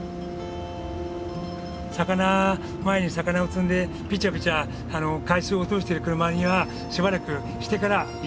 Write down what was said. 前に魚を積んでピチャピチャ海水を落としてる車にはしばらくしてから行きます。